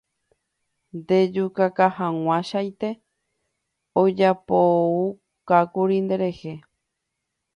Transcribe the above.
Ndejukahag̃uaichaite ojapoukákuri nderehe.